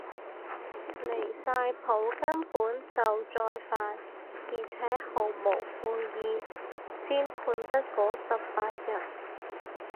離晒譜，根本就再犯而且毫無悔意，先判得嗰十八日